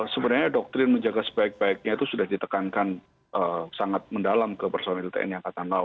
sebenarnya doktrin menjaga sebaik baiknya itu sudah ditekankan sangat mendalam ke personel tni al